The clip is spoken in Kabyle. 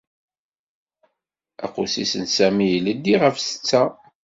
Aqusis n Sami ileddi ɣef ssetta.